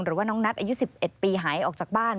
หรือว่าน้องนัทอายุ๑๑ปีหายออกจากบ้าน